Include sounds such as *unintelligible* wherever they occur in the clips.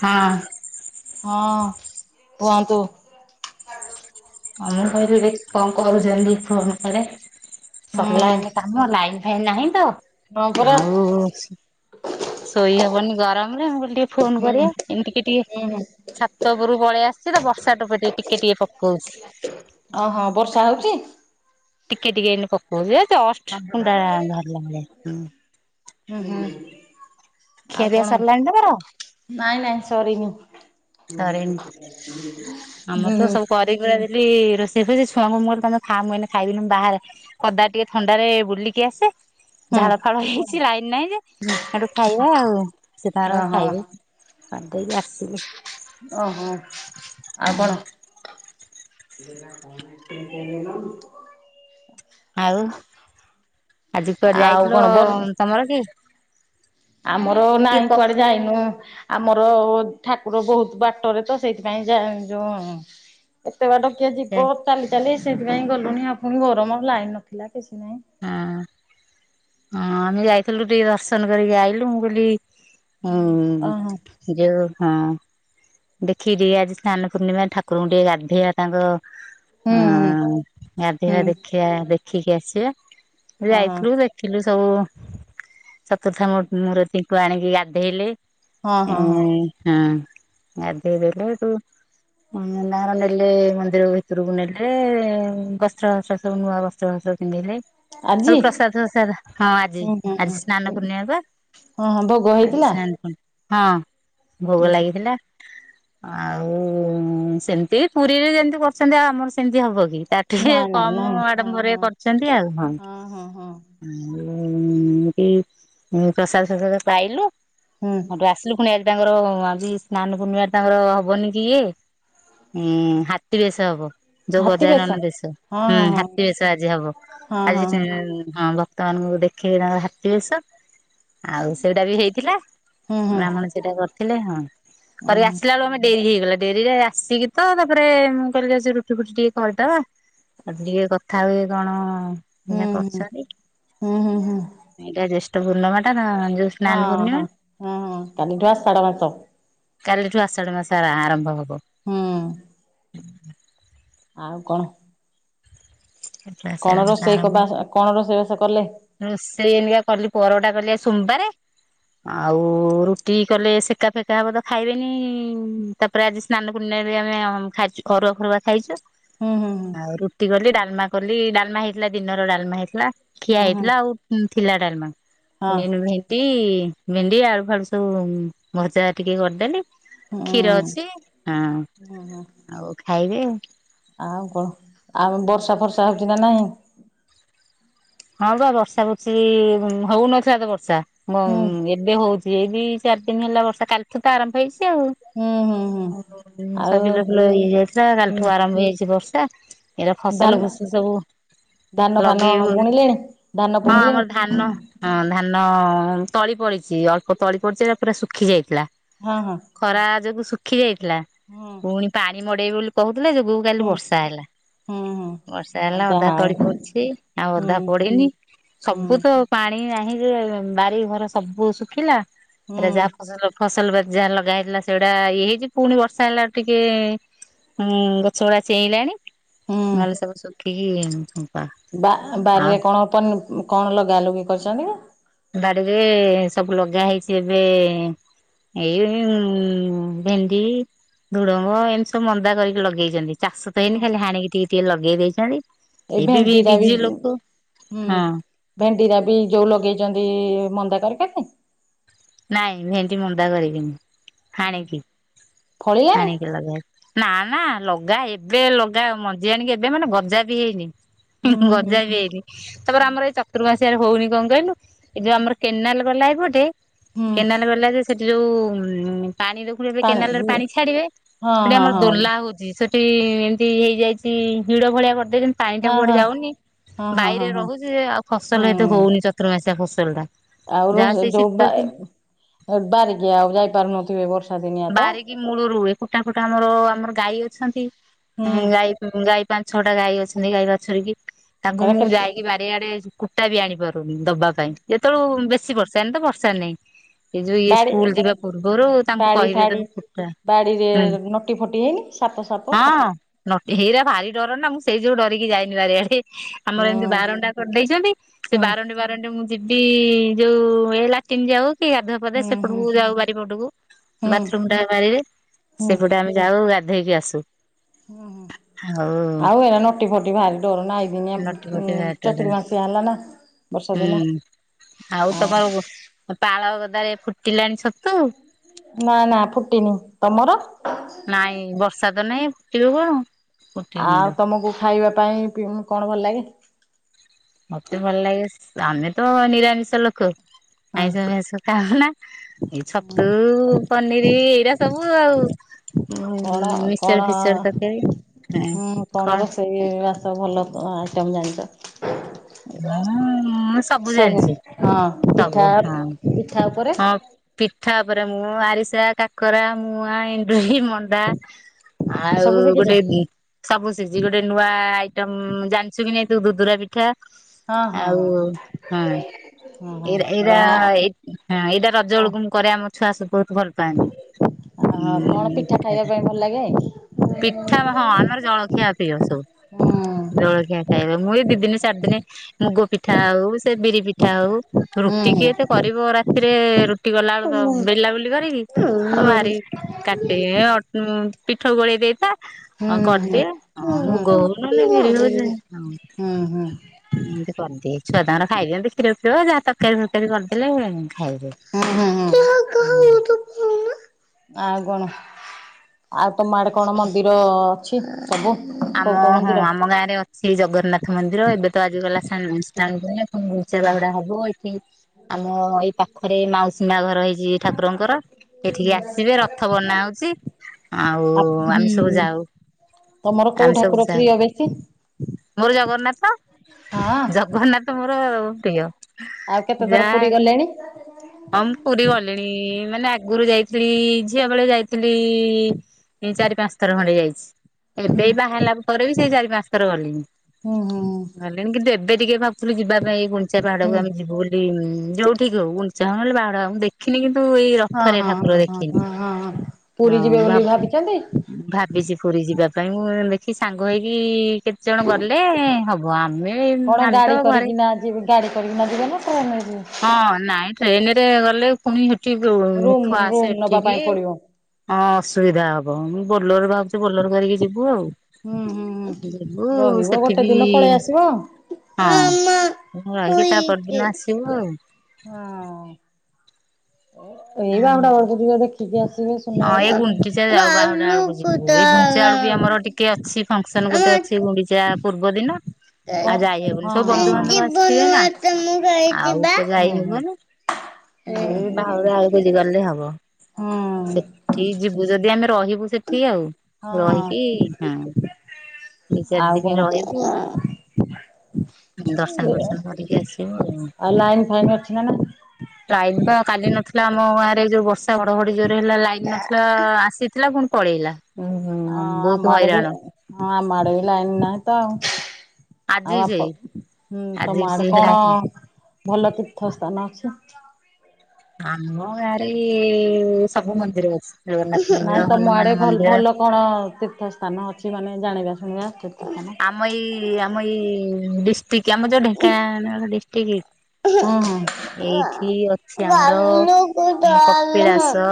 ହଁ। ହଁ କୁହନ୍ତୁ। କଲ ର କହିଦେଲି ଦେଖି କଣ କରୁଛନ୍ତି ଫୋନ କରେ ସରିଲା ହୁଁ ଏଇନିକା। ଆମ ଲାଇନ ଫାଇନ୍ ନାହିଁ ତ ହଁ ପରା ଆଉ ସେ ଶୋଇ ହବନି ଗରମରେ ମୁଁ କହିଲି ଟିକେ ଫୋନ ହୁଁ କରିବା ହୁଁ ଏମିତି ଟିକେ ଟିକେ ହୁଁ ଛାତ ଉପରୁକୁ ପଳେଇ ଆସିଛି ତ ବର୍ଷା ଟୋପେ ଟିକେ ଟିକେ ପକଉଛି। ଓହୋ ବର୍ଷା ହଉଛି। ଟିକେ ଟିକେ ଏଇନେ ପକଉଛି ହେ ଜଷ୍ଟ କୁଣ୍ଡା ଝାରିଲା ଭଳିଆ। ହୁଁ ହୁଁ। ଖିଆ ଆଉ ପିଆ କଣ ସରିଲାଣି ତମର? ନାଇଁ ନାଇଁ ସରିନି। ସରିନି ହୁଁ। କରି କୁରା ଦେଲି ରୋଷେଇ ଫୋସେଇ ଛୁଆଙ୍କୁ ମୁଁ କହିଲି ତମେ ଖା ମୁଁ ଏଇନେ ଖାଇବିନି ବାହାରେ ପଦାରେ ଟିକେ ଥଣ୍ଡାରେ ବୁଲିକି ଆସେ। ଝାଳ ଫାଳ ହେଇଛି ଲାଇନ ନାହିଁ ଯେ ସେଠୁ ଖାଇବା ଆଉ ସେ ତାଙ୍କର ଓହୋ ଖାଇବେ। ଗାଧେଇକି ଆସିଲି। ଓହୋ ଆଉ କଣ *inaudible* ଆଉ ଆଜି କୁଆଡ ଆଉ ଯାଇଥିଲ କଣ ବର୍ ତମର କି ଆମର ନାହିଁ କିଏ କ *unintelligible* ଆମର ଠାକୁର ବୋହୁତ ବାଟରେ ତ ସେଇଥିପାଇଁ ଯା ଯୋଉ ଏତେ ବାଟ କିଏ ହଁ ଯିବ ଚାଲି ଚାଲି ସେଥିପାଇଁ ଗଲୁନି ଆଉ ଫୁଣି ଗରମର ଲାଇନ ନଥିଲା କିଛି ନାଇଁ। ହଁ ହଁ ଆମେ ଯାଇଥିଲୁ ଟିକେ ଦର୍ଶନ କରିକି ଆଇଲୁ ମୁଁ କହିଲି। ଓହୋ ଆଉ ଯୋଉ ହଁ। ଦେଖିକି ଟିକେ ଆଜି ସ୍ନାନ ପୂର୍ଣ୍ଣିମା ଠାକୁରଙ୍କୁ ଟିକେ ଗାଧୋଇବା ହୁଁ ତାଙ୍କ ହୁଁ ଅଁ ହୁଁ ଗାଧୋଇବା ଦେଖିବା ଦେଖିକି ଆସିବା ଆମେ ଓହୋ ଯାଇଥୁଲୁ ଦେ ଦେଖିଲୁ ସବୁ ଚତୁର୍ଥା ମୂର୍ ମୂରତିଙ୍କୁ ଆଣିକି ଗାଧେଇଲେ। ହଁ ହଁ ଏଁ ହଁ। ହଁ। ଗାଧେଇ ଦେଲେ ହେଟୁ *unintelligible* ନେଲେ ମନ୍ଦିର ଭିତୁରୁକୁ ନେଲେ ଗସ୍ତ୍ର *unintelligible* ସବୁ ନୂଆ ବସ୍ ସ୍ତ୍ର ଫସ୍ତ୍ର ପିନ୍ଧେଇଲେ ଆଜି? ହେଟୁ ପ୍ରସାଦ ସାରା ହଁ ଆଜି ଆଜି ସ୍ନାନ ପୂର୍ଣିମାପା। ଓହୋଁ ଭୋଗୋ ହେଇଥିଲା? ହଁ ଉଁ ଭୋଗୋ ହୁଁ। ଲାଗିଥିଲା। ଆଉ ସେମିତି ପୁରୀରେ ଯେମିତି କରୁଛନ୍ତି ଆଉ ଆମର ସେମିତି ହବ କି ତା ଟିକେ ନା ନା କମ ନାଇଁ। ହଁ ଆଡମ୍ବରରେ ହଁ କରିଛନ୍ତି ଆଉ କଣ। ହଁ ହଁ ହଁ। ଆଉ ଏମତି ଉଁ ପ୍ରସାଦ ଫ୍ରସାଦ ପାଇଲୁ। ହୁଁ। ହୋଟୁ ଆସିଲୁ ଫୁଣି ଆଜି ତାଙ୍କର ଆଜି ସ୍ନାନ ପୂର୍ଣ୍ଣିମା ତାଙ୍କର ହବନି କି ଇଏ ଉଁ ହାତୀ ବେଶ ହବ। ଯୋଉ ଗଜାନନ ବେଶ ହଁ ହୁଁ ହଁ ହାତୀ ହଁ ବେଶ ଆଜି ହବ ହଁ ଆଜି ହଁ ହଁ *unintelligible* ହବ। ତମାନଙ୍କୁ ଦେଖେଇବେ ତାଙ୍କ ହାତୀ ବେଶ ଆଉ ସେଇଡ଼ା ବି ହେଇଥିଲା ହୁଁ ହୁଁ ବ୍ରାହ୍ମଣ ଏଟା କରିଥିଲେ ହଁ। ଉଁ ପରେ ହୁଁ। ଆସିଲା ବେଳୁ ଆମେ ଡେରି ହେଇଗଲା ଡେରିରେ ଆସିକି ତ ତାପରେ ମୁଁ କହିଲି ଯାଉଚି ରୁଟି ଫୁଟି ଟିକେ କରିଦବା। *unintelligible* ଟିକେ କଥା ହୁଏ କଣ ହୁଁ ଏଇଆ ହୁଁ କରୁଛନ୍ତି ହୁଁ ହୁଁ ହୁଁ। ଏଇଡ଼ା ଜେଷ୍ଟପୂର୍ଣ୍ଣମାଟା ତ ଯୋଉ ହଁ ସ୍ନାନ ପୂର୍ଣ୍ଣିମା ହଁ ହଁ ହଁ କାଲିଠୁ ଆଷାଢ଼ ମାସ। କାଲିଠୁ ଆଷାଢ ମାସ ଆରା ଆ ଆରମ୍ଭ ହବ। ହୁଁ। ଆଉ କଣ। କାଲିଠୁ ଆଷାଢ କଣ ମାସ ରୋଷେଇ କ ଆରମ୍ଭ ବାସ କଣ ରୋଷେଇ ବାସ କଲେ। ରୋଷେଇ ଏଇନିକା କଲି ପରଟା କଲି ଆଜି ସୋମବାରେ। ଆଉ ରୁଟି କଲେ ସେକା ଫେକା ହବ ତ ଖାଇବେନି। ତାପରେ ଆଜି ସ୍ନାନପୂର୍ଣ୍ଣିମାବି ଆମେ ଅଁ ଖାଇଚୁ ଘରୁଆ ଫରୁଆ ଖାଇଛୁ। ହୁଁ ହୁଁ ହୁଁ ଆଉ ରୁଟି କଲି ଡାଲମା କଲି ଡାଲମା ହେଇଥିଲା ଦିନର ଡାଲମା ହେଇଥିଲା ଖିଆ ହୁଁ ହେଇ ହୁଁ ଥିଲା ଆଉ ଥିଲା ଡାଲମା ହଁ ଫୁଣି ଏଇନୁ ହେ ଟି ଭେଣ୍ଡି ଆଳୁ ଫାଳୁ ସବୁ ଭଜା ଟିକେ କରିଦେଲି। ହୁଁ କ୍ଷୀର ହୁଁ। ଅଛି ହୁଁ। ହଁ ଆଉ ଖାଇବେ। ଆଉ କଣ ଆଉ ବର୍ଷା ଫର୍ଷା ହୋଉଚି ନା ନାଇଁ। ହଁ ପା ବର୍ଷା ବୁର୍ଷି ହୋଉନଥିଲା ତ ବର୍ଷା ମ ହୁଁ ଇଏ ଏବେ ହୋଉଛି ଏଇ ଦି ଚାରି ଦିନି ହେଲା ବର୍ଷା କାଲିଠୁ ତ ଆରମ୍ଭ ହେଇଛି ଆଉ। ହୁଁ ହୁଁ ହୁଁ ଆଉ ଉଁ ସବୁ ଆଉ ବିଲ ଫିଲ ଇଏ ହେଇଯାଇଥିଲା କାଲିଠୁ ଆରମ୍ଭ ହେଇଛି ବର୍ଷା। ଏରା ଫସଲ ଧାନ ଫୁସୁଲି ସବୁ ଧାନ ଫାନ ଲଗେଇବୁ ବୋଲି ବୁଣିଲେଣି ଧାନ ହଁ ବୁଣିଲେଣି ଆମର ଧାନ ହଁ ଧାନ ତଳି ପଡିଛି ଅଳ୍ପ ତଳି ପଡିଚି ହେରା ପୁରା ଶୁଖି ଯାଇଥିଲା। ହଁ ହଁ। ଖରା ଯୋଗୁ ଶୁଖି ଯାଇଥିଲା ହୁଁ ପୁଣି ପାଣି ମଡେଇ ବୋଲି କହୁଥୁଲେ ଯୋଗୁକୁ କାଲି ହୁଁ ବର୍ଷା ହେଲା ହୁଁ ବର୍ଷା ହୁଁ ହେଲା ଅଧା ଯାହା ହଉ ତଳି ପଡିଛି ଆଉ ହୁଁ ଅଧା ପଡିନି ହୁଁ ସବୁ ତ ପାଣି ନାହିଁ ଯେ ବାରି ଘର ସବୁ ଶୁଖିଲା। ହୁଁ ଏଇଟା ଯାହା ଫସଲ ଫସଲ ବାଡ଼ି ଯାହା ଲଗା ହେଇଥିଲା ସେଉଡା ଇଏ ହେଇଛି। ପୁଣି ବର୍ଷା ହେଲା ଟିକେ ଉଁ ଗଛଗୁଡା ଚେଇଁଲାଣି ନହେଲେ ହୁଁ ସବୁ ଶୁଖିକି ଛମ୍ପା ବା ବାରିରେ କଣ ପନି କଣ ଲଗା ଲୁଗି କରିଛନ୍ତି କି? ବାଡିରେ ସବୁ ଲଗା ହେଇଛି ଏବେ ଏଇ ଉଁ ଭେଣ୍ଡି ଧୁଡଙ୍ଗ ଏମିତି ସବୁ ମନ୍ଦା କରିକି ଲଗେଇଛନ୍ତି ଚାଷ ତ ହେଇନି ଖାଲି ହାଣିକି ଟିକେ ଟିକେ ଲଗେଇ ଦେଇଛନ୍ତି। ଏଇ ଏ ବି ବି ଭେଣ୍ଡିଟା ବିଜି ଲୋକ ହଁ ଭେଣ୍ଡିରା ବି ଯୋଉ ଲଗେଇଛନ୍ତି ମନ୍ଦା କରିି କାଟି? ନାଇଁ ଭେଣ୍ତି ମନ୍ଦା କରିକି ନୁହଁ ହାଣିକି ଫଳିଲାଣି ହାଣିକି ଲଗାହେଇ ନା ନା ଲଗା ଏବେ ଲଗା ଆ ମଞ୍ଜି ଆଣିକି ଏବେ ମାନେ ଗଜା ବି ହେଇନି। ହୁଁ ହୁଁ ଗଜା ବି ହୁଁ ହେଇନି। ତାପରେ ଆମର ଏଇ ଚତୁର୍ ମସିଆରେ ହୋଉନି କଣ କହିଲୁ? ଏ ଯୋଉ ଆମର କେନାଲ ଗଲା ଏଇପଟେ ହୁଁ କେନାଲ ଗଲା ଯେ ସେଠି ଯୋଉ ଉ ପାଣି ଦେ ଏ କେନାଲ ରେ ପାଣି ଛାଡିବେ ସେଠି ହଁ ଆମର ହଁ ଦୋଲା ହଉଛି ସେଠ ସେ ଏମିତି ହେଇଯାଇଛି ହିଡ ଭଳିଆ କରିଦେଇଚନ୍ତି ପାଣି ଟା ହଁ କୁଆଡେ ହଁ ଯାଉନି ହଁ ହଁ ହଁ ହଁ ବାଇରେ ହଁ ରହୁଛି ଯେ ଆଉ ଫସଲ ହେତେ ହୁଁ ହୋଉନି ଚତୁର୍ମାସିଆ ଫସଲ ଟା। ଆଉ ଯାହା ରହେ ସେଇ ଯୋଉ ଶୀତ ବା ଦିନ ବାରିକି ଆଉ ଯାଇପାରୁନଥିବେ ବର୍ଷା ଦିନିଆ ତ ମୂଳୁରୁୁ ହୁଏ। କୁଟା ଫୁଟା ଆମର ଆମର ଗାଈ ଅଛନ୍ତି ହୁଁ ଗାଈ ଗାଈ ପାଞ୍ଚ ଛଅଟା ଗାଈ ଅଛନ୍ତି ଗାଈ ବାଛୁରି କି ତାଙ୍କୁ ହେରା ମୁଁ କେତେ ଯାଇକ ବା ଡେଆଡେ କୁଟା ବି ଆଣି ପାରୁନି ଦବା ପାଇଁ ଯେତେବେଳୁ ବେଶୀ ବର୍ଷା ଏନ ତ ବର୍ଷା ନାଇଁ। ଏ ଯୋଉ ଇଏ ବାଡି ସ୍କୁଲ ଯିବା ପୂର୍ବରୁ ତାଙ୍କୁ ବାଡି କହିବେ ଫାଡି ତମେ କୁଟା ବାଡିରେ ହୁଁ ନଟି ଫଟି ହେଇନି ସାପ ସାପ ହଁ ଫାପ? ନଟି ହେଇରା ଭାରି ଡର ନା ମୁଁ ସେଇ ଯୋଗୁ ଡରିକି ଯାଏନି ବାରିଆଡେ। ଆମର ହୁଁ ଏମିତି ବାରଣ୍ଡା କରିଦେଇଛନ୍ତି ସେ ହୁଁ ବାରାଣ୍ଡ ବାରଣ୍ଡା ମୁଁ ଯିବି ଯୋଉ ଏ ଲାଟିନ୍ ଯାଉ କି ଗାଧୁଆ ପାଧୁଆ ହୁଁ ହୁଁ ସେପଟକୁ ଯାଉ ବାରିପଟକୁ ହୁଁ ବାଥରୁମ ଟା ବାାରିବେ ହୁଁ ସେପଟେ ଆମେ ଯାଉ ଗାଧେଇକି ଆସୁ। ହୁଁ ହୁଁ। ଆଉ ଆଉ ଏତା ନଟି ଫଟି ଭାରି ଡର ନା ଆଇ ଦିନିଆ ନଟି ଫଟି ବାଟରେ ଚତୁର୍ମାସିଆ ହେଲା ନା। ବର୍ଷା ଦିନ। ହୁଁ ଆଉ ତମର ପାଳ ଗଦାରେ ଫୁଟିଲାଣି ଛତୁ? ନା ନା ଫୁଟିନି ତମର? ନାଇଁ ବର୍ଷା ତ ନାଇଁ ଫୁଟିବ କଣ? ଫୁଟିନି ଆଉ ଲୋ ତମକୁ ଖାଇବା ପାଇଁ କଣ ଭଲ ଲାଗେ? ମତେ ଭଲ ଲାଗେ ଆମେ ତ ନିରାମିଷ ଲୋକ ହଁ ଆଇଁସ ଫାଇଂଶ ଖାଉନା ଏଇ ଛତୁ ପନିର ଏଇରା ସବୁ ଆଉ। କଣ ମିକ୍ସଚର କଣ ଫିକ୍ସଚର ତରକାରୀ ହଁ କଣ ରୋ ସେଇ ମାସ ଭଲ ଆଇଟମ୍ ଜାଣିଛ ହଁ ମୁଁ ସବୁ ଜାଣିଛି ହଁ ସବୁ ପିଠା ହଁ ପିଠା ଉପରେ ହଁ ପିଠା ଉପରେ ମୁଁ ଆରିସା କାକରା ମୁଆ ଏଣ୍ଡୁରି ମ ଣ୍ଡା ଆଉ ସବୁ ଶିଖିଛ? ଗୋଟେ ସବୁ ସିକିଚି। ଗୋଟେ ନୂଆ ଆଇଟମ ଜାଣିଛୁ କି ନାଇ ତୁ ଦୁଦୁରା ପିଠା? ହଁ ହଁ ଆଉ ହଁ ହଁ ହଁ ହଁ ହଁ ଏଇରା ଏଇରା ଯାହା ଏଇ ଏଇଟା ରଜ ହଁ ବେଳକୁ ମୁଁ କରେ ଆମ ଛୁଆ ସବୁ ବହୁତ ଭଲ ପାଆନ୍ତି। ହଁ ଉଁ କଣ ପିଠା ମୀଠା ଖାଇବା ପାଇଁ ଭଲ ଲାଗେ? ପିଠା ହଁ ଆମର ଜଳଖିଆ ପ୍ରିୟ ସବୁ। ହୁଁ ଜଳଖିଆ ଖାଇବା ମୁ ଏ ଦି ଦିନେ ଚାରି ଦିନେ ମୁଗ ପିଠା ହଉ ସେ ବିରି ପିଠା ହଉ ରୁଟି ହୁଁ। କିଏ ଏତେ କରିବ? ରାତିରେ ରୁ ଟି ହୁଁ ହୁଁ କଲାବେଳକୁ ବେଲା ବୁଲି କରିକି ଆଉ ଭାରି କାଟେ ଅ ଉଁ ପିଠଉ ଗୋଳେଇ ଦେଇଥା ହୁଁ ହ ହୁଁ। କରିଦିଏ ହୁଁ ହଁ ମୁଗ ହୋଉ ନହେଲେ ବିରି ହୋଉ ଯେନ ହଁ ହଁ। ଏମିତି କରିଦିଏ, ଛୁଆତାଙ୍କର ଖାଇଦିଅନ୍ତି। କ୍ଷୀର ଥିବ, ଯାହା ତରକାରୀ ଫରକାରୀ କରିଦେଲେ ହେ ଖାଇବେ। ଆଉ କଣ? ଆଉ ତମ ଆଡେ କଣ ମନ୍ଦିର? ଅଛି ସବୁ। କୋଉ ଆମ କୋଉ ହଁ ମନ୍ଦିର? ଆମ ଗାଁରେ ଅଛି ଜଗନ୍ନାଥ ମନ୍ଦିର ଏବେ ତ ଆଜି ଗଲା ଜାଣି ଆଣ ଗଞ୍ଚା ବାୁଡା ହବ ଏଠି ଆମ ଏଇ ପାଖରେ ମାଉସୀ ମା ଘର। ର ହେଇଛି ଠାକୁରଙ୍କର ଏଠିକି ଆସିବେ ରଥ ବର୍ଣ୍ଣ ହଉଛି। ଆଉ ଆ ଆମେ ସବୁ ହୁଁ ଯାଉ ତମର କୋଉ ଆମେ ସବୁ ଠାକୁର ଯାଉ ପ୍ରିୟ ବେଶୀ? ମୋର ଜଗନ୍ନାଥ ଆଉ ଜଗନ୍ନାଥ ମୋର ପ୍ରିୟ। ଆଉ କେତେ ଥର ଯାହା ପୁରୀ ହେଲେ ଗଲେଣି? ହଁ ମୁଁ ପୁରୀ ଗଲିଣି ମାନେ ଆଗରୁ ଯାଇଥିଲି ଝିଅ ବେଳେ ଯାଇଥିଲି ଚାରି ପାଞ୍ଚ ଥର ଖଣ୍ଡେ ଯାଇଛି। ଏବେ ବାହାରିଲା ପରେ ବି ସେଇ ଚାରି ପାଞ୍ଚ ଥର ଗଲିଣି ହୁଁ ହୁଁ ଗଲିଣି କିନ୍ତୁ ଏବେ ଟିକେ ଭାବୁଥିଲୁ ଯିବା ପାଇଁ ଗୁଣ୍ଞ୍ଚିା ପାହାଡକୁ ହୁଁ ଆମେ ଯିବୁ ବୋଲି ଯୋଉ ଠିକ ହଉ। ଚାହୁଁ ହେଲେ ବାଡ ଆ ଦେଖି ଦେଖିନି କିନ୍ତୁ ଏଇ ହଁ ରଥରେ ହଁ ଠାକୁର ହଁ ହଁ ଦେଖିନି ହଁ ହଁ ହଁ। ପୁରୀ ହଁ ଯିବେ ବା। ବୋଲି ଭାବିଛନ୍ତି? ଭାବିଛି ପୁରୀ ଯିବା ପାଇଁ, ମୁଁ ଦେଖି ସାଙ୍ଗ ହେଇକି କେ ଜଣ ଗଲେ ହବ, ଆମେ ଆଣି କଣ *unintelligible* ଗାଡି ତବ ଘରେ କରିକିନା ଯିବେ ଗାଡି କରିକି ନା ଯିବେ, ନା କାର ରେ ଯିବା। ହଁ, ନାଇଁ ଟ୍ରେନ ରେ ଗଲେ ପୁଣି, ସେଠି ରୁମ୍ ଉଠୁଆ ଆସେ ରୁମ୍ ନବା ଏଠିକି ପାଇଁ ପଡିବ ହୁଁ ହଁ ଅସୁବିଧା ହବ, ମୁଁ ବୋଲୋର ଭାବୁଛି, ବୋଲେର କରିକି ଯିବୁ ଆଉ। ହୁଁ ହୁଁ। ଯିବୁ ଆ ରହିବ ସେଠ ଗୋଟେ ବିି ଦିନ ପଳେଇ ଆସିବ। ହଁ, ମୁଁ ରହିକି ତା ପରଦିନ ଆସିବୁ ଆଉ ହଁ। ଏଇ ଆଉ ବାହୁଡ଼ା ବେଳକୁ ଯିବେ, ଦେଖିକି ଆସିବେ। ହଁ ସୁନାବେଶ ଏଇ ଗୁଣ୍ଡିଚା ଯାଉ, ବାହୁଡା ଗଲୁ ବେଳକୁ ଯିବୁ, ଏଇ ଗୁଣ୍ଡିଚା କୋତଲା ବେଳ କୁ ଆମର ଟିକେ ଅଛି ଫଙ୍କସନ ଗୋଟେ ଆମ ଅଛି, ଗୁଣ୍ଡିଚା ପୂର୍ବ ଦିନ ଆଉ ଯାଇହବନି, ସବୁ ବନ୍ଧୁବାନ୍ଧବ ଆସିଥିବେ ଜୀବନୁଆ ନା, ତ ମୁଁ ଆଉ ରହିଥିବା। ତ ହୁଁ ଯାଇହବ ନି। ଏଇ ବାହୁଡ଼ା ବେଳକୁ ଗଲେ ହବ। ହୁଁ ହୁଁ ସେଠି ଯିବୁ ଯଦି ଆମେ ରହିବୁ ସେଠି ଆଉ, ହଁ ରହିକି, ହଁ। ଦି ଚାରି ଆଉ ଦିନ କଣ ରହିବୁ। ଦର୍ଶନ ଫର୍ଶନ କରିକି ଆସିବୁ ଆଉ। ଲାଇନ ଫାଇନ୍ ଅଛି ନା ନାଇଁ? ଲାଇନ ତ କାଲି ନଥିଲା ଆମ ଗାଁରେ, ଏଇ ଯୋଉ ବର୍ଷା ଘଡଘଡି ଜୋରେ ହେଲା ଲାଇନ ନଥିଲା, ଆସିଥିଲା ପୁଣି ପଳେଇଲା, ହଁ ଆମ ବହୁତ ଆଡେ ବି ହଇରାଣ। ହଁ ଆଡେ ବି ଲାଇନ ନାହିଁ ତ ଆଉ। ଆଉ, ଆଜି ଆପ ସେଇ ହୁଁ, ଆଜି ତମ ବି ଆଡେ ସେଇ କଣ ଲାଇନ ଭଲ ତୀର୍ଥ ସ୍ଥାନ ଅଛି? ଆମ ଗାଁରେ ସବୁ ମନ୍ଦିର ଅଛି, ଜଗନ୍ନାଥ ମନ୍ଦିର, ନାଇଁ ତମ ଆଡେ ହନୁମାନ ଭଲ ମନ୍ଦିର ଭଲ କଣ ତୀର୍ଥ ସ୍ଥାନ ଅଛି, ମାନେ ଜାଣିବା ଶୁଣିବା, ଆସୁ ଆମ ଏଇ, ଆମ ଏଇ, ଡିଷ୍ଟ୍ରିକ୍ଟ ଆମ ଯୋଉ ଢେଙ୍କାନାଳ ହୁଁ ହୁଁ। ହୁଁ। ଡିଷ୍ଟ୍ରିକ୍ଟଇ ଏଇଠି ଅଛି, ଆମର କପିଳାସ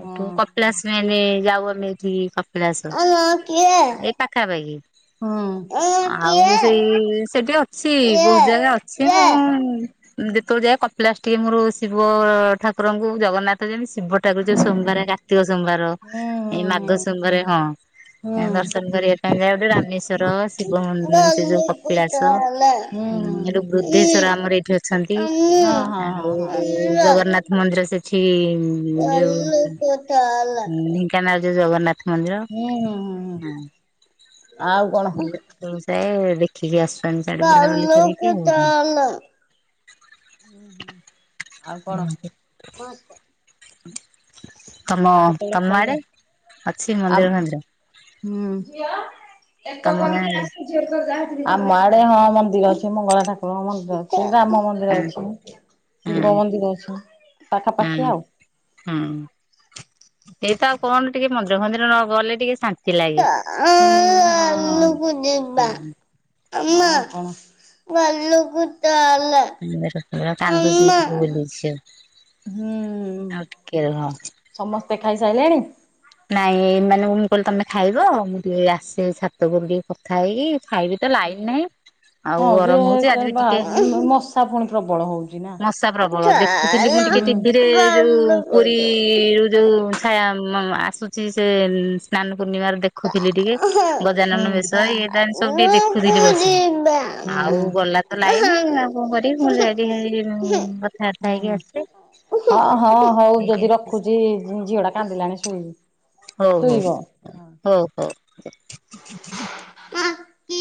ଏୁ କ *unintelligible* କପିଳାସ ମାନେ ଯାଉ ଆମେ ଏଠି, କପିଳାସ ଆମ ଏ ପାଖାପାଖି। ହଁ। ଆଉ ସେଇ ସେଠି ଅଛି, ହୁଁ ବହୁତ ଜାଗା ଅଛି ମୁଁ ହୁଁ ଯେତେବେଳେ ଯାଏ, କପିଳାସ ଟିକେ ମୋର ଶିବ ଠାକୁରଙ୍କୁ, ଜଗନ୍ନାଥ ଯେମିତି ଶିବ ଟା କରୁଛ ସୋମବାର କାର୍ତିକ ସୋମବାର ଏଇ ମାଘ ସୋମବାର ହଁ। ହୁଁ ହୁଁ ଦର୍ଶନ କରିବା ପାଇଁ ଯାଉ ଟ ଇଶ୍ଵର ଶିବ ମ ସେ ଯୋଉ କପିଳାସ ଏଠୁ ବୃଦ୍ଧେଶ୍ଵର ଆମର ଏଠି ଅ ଛନ୍ତି ଆଉ ଜଗନ୍ନାଥ ମନ୍ଦିର ସେଠି। *unintelligible* *unintelligible* ଉଁ ଢେଙ୍କାନାଳରେ ଜଗନ୍ନାଥ ମନ୍ଦିର ଆଉ କଣ? ହଁ। ଯୋଉ ସେ ଦେଖିକି ଆସୁଛନ୍ତି ସିଆଡେ ବୁଲାବୁଲି ଗଲୁକୁ କରିକି ଆଉ। *unintelligible* ଉଁ ହୁଁ। *unintelligible* ତମ, ଆଉ କେତେବେଳେ ତମ ଖାଇବେ? ଆଡେ ଅଛି ଆମ ମନ୍ଦିର ଫନ୍ଦିର? ହୁଁ। ତମ ଗାଁ ଆଡେ ଆମ ଆଡେ ହଁ ମନ୍ଦିର ଅଛି। ମଙ୍ଗଳା ଠାକୁରଙ୍କ ମନ୍ଦିର ଅଛି। ରାମ ମନ୍ଦିର ହୁଁ ଅଛି। ହୁଁ ଶିବ ମନ୍ଦିର ଅଛି ପାଖାପାଖି ହୁଁ ଆଉ। ହୁଁ, ଏଇତ ଆଉ କଣ ଟିକେ ମନ୍ଦିର ଫନ୍ଦିର ନ ଗଲେ ଟିକେ ଶା *unintelligible* ଯିବା। ମାମା ଘଲୁକୁ ଚାଲେ। ଏଟା ଆମ କାନ୍ଦୁଚି ବୁଲି ଯିବ। ହୁଁ ଆଉ ଟିକେ ରହ। ସମସ୍ତେ ଖାଇସାରିଲେଣି? ନାଇଁ ମାନେ ମୁଁ କହିଲି ତମେ ଖାଇବ ମୁଁ ଟିକେ ଆସେ ଛାତ ଉପରୁ ଟିକେ କଥା ହେଇକି ଖାଇବି। ତ ଲାଇନ ନାହିଁ। ଆଉ ହଁ ଯେ ଗରମ ହଉଛି ଆଜି ବି ଟିକେ ବାହା ମଶା ପୁଣି ପ୍ରବଳ ହଉଛି ନା। ହଁ ଦେଖୁଥିଲି ଚାଲ ମୁଁ ଟିକେ ଟିଭିରେ ଯୋଉ ଘରକୁ ଯିବା। ପୁରୀରୁ ଯୋଉ ଛା ଆସୁଛି ସେ ସ୍ନାନ ପୂର୍ଣ୍ଣିମାର ଦେଖ ଦେଖୁଥିଲି ଟିକେ ଗଜାନନ ହୁଁ। ବେଶ ଇଏ ତା ସବୁ ଟିକେ ଘରକୁ ଦେଖୁଥିଲି ବସିକି। ଯିବା। ଆଉ ଗଲା ଲାଇନି ଆଉ କଣ କରିବି ହୁଁ ମୁଁ କହିଲି ଯାଏ ହୁଁ। ଟିକେ କଥାବାର୍ତ୍ତା ହୁଁ ହେଇକି ଆସେ। ହଁ, ହଁ ହଉ ଯଦି ରଖୁଛି ଝିଅ ଟା କାନ୍ଦିଲାଣି ଶୋଇବ। ହଉ, ହଉ, ହଁ। ହଉ, ହଉ। *unintelligible*